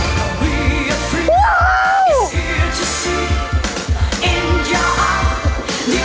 หมายเลขสาม